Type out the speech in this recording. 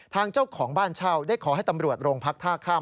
เจ้าของบ้านเช่าได้ขอให้ตำรวจโรงพักท่าข้าม